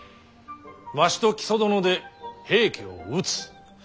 わしと木曽殿で平家を討つ。